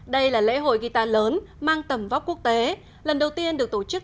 đây là lễ hội guitar lớn mang tầm vóc quốc tế lần đầu tiên được tổ chức